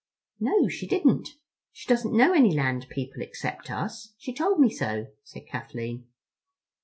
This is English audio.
"No, she didn't. She doesn't know any land people except us. She told me so," said Kathleen.